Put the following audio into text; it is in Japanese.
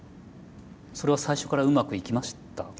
それは最初からうまくいきました？